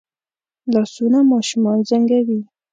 لاسونه ماشومان زنګوي